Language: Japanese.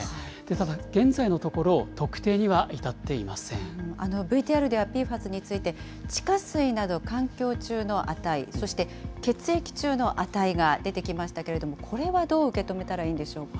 ただ、現在のところ、特定には至ＶＴＲではＰＦＡＳについて、地下水など、環境中の値、そして血液中の値が出てきましたけれども、これはどう受け止めたらいいんでしょうか。